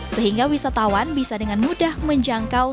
sehingga wisatawan bisa dengan mudah menjangkau